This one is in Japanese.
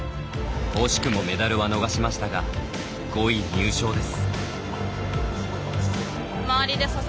惜しくもメダルは逃しましたが５位入賞です。